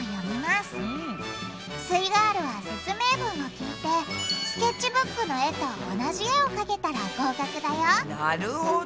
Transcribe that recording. すイガールは説明文を聞いてスケッチブックの絵と同じ絵をかけたら合格だよなるほど。